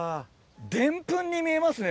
デンプンに見えますね